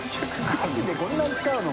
マジでこんなに使うの？